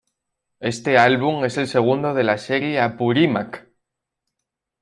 Este álbum es el segundo de la serie Apurímac.